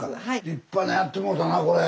立派なんやってもろたなこれ。